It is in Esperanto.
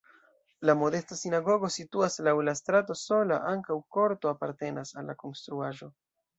La modesta sinagogo situas laŭ la strato sola, ankaŭ korto apartenas al la konstruaĵo.